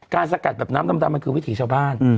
สกัดแบบน้ำดำมันคือวิถีชาวบ้าน